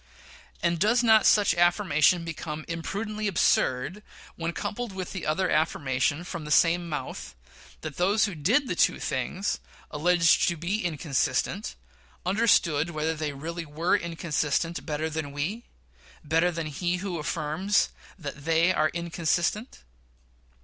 And does not such affirmation become impudently absurd when coupled with the other affirmation from the same mouth, that those who did the two things alleged to be inconsistent understood whether they really were inconsistent better than we better than he who affirms that they are inconsistent?